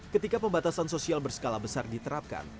ketika pembatasan sosial berskala besar diterapkan